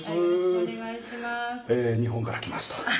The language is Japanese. え日本から来ました。